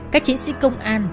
các chiến sĩ công an